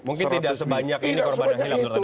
mungkin tidak sebanyak ini